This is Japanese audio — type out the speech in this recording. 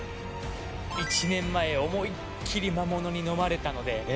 １年前思いっきり魔物にのまれたので。